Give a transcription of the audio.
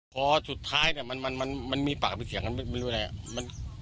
พอสุดท้ายเนี่ยมันมีปากมีเสียงกันไม่รู้อะไร